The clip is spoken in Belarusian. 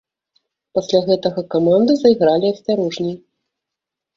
Пасля гэтага каманды зайгралі асцярожней.